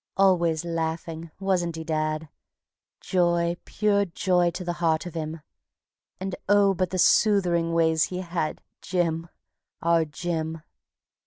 Always laughing, wasn't he, dad? Joy, pure joy to the heart of him, And, oh, but the soothering ways he had, Jim, our Jim!